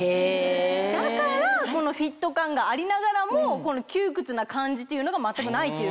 だからこのフィット感がありながらもこの窮屈な感じっていうのが全くないっていうこと。